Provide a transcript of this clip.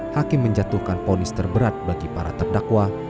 hakim menjatuhkan ponis terberat bagi para terdakwa